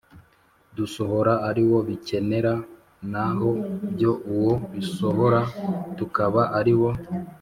dusohora ari wo bikenera, na ho byo uwo bisohora tukaba ari wo